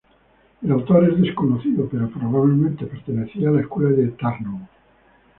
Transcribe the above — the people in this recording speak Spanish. El autor es desconocido, pero probablemente pertenecía a la escuela de Tarnovo.